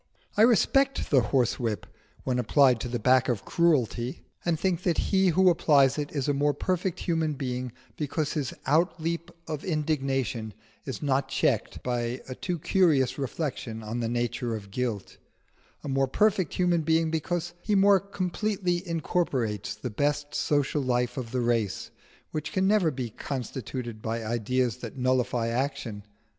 I respect the horsewhip when applied to the back of Cruelty, and think that he who applies it is a more perfect human being because his outleap of indignation is not checked by a too curious reflection on the nature of guilt a more perfect human being because he more completely incorporates the best social life of the race, which can never be constituted by ideas that nullify action.